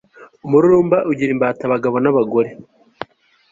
umururumba ugira imbata abagabo n'abagore